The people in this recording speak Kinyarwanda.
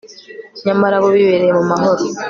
nyamara bo bibereye mu mahoro